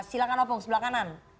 silahkan opung sebelah kanan